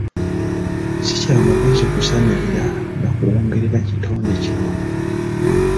Si kya magezi kusamirira na kuwongerera kitonde kinno.